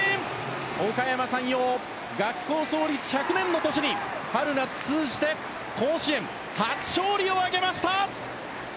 おかやま山陽、学校創立１００年の年に春夏通じて甲子園初勝利を挙げました。